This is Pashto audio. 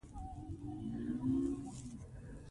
ازادي راډیو د سوداګري په اړه د پېښو رپوټونه ورکړي.